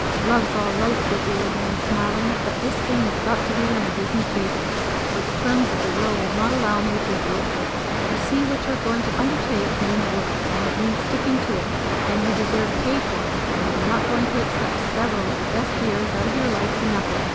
"Love's all right!" said the old man, smiling; "but this thing has got to be on a business basis, or the terms of the will will not allow me to agree to it. You see what you are going to undertake means work, and it means sticking to it; and you deserve pay for it, and we're not going to accept several of the best years out of your life for nothing.